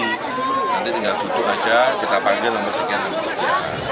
nanti tinggal tutup aja kita panggil dan bersikap lagi